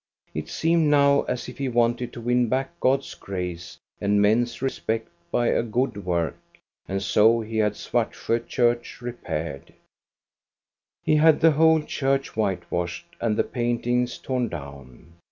It seemed now as if he wanted to win back God's grace and men's respect by a good work, and so he had Svartsjo church repaired. He had the whole church white washed and the paintings torn down.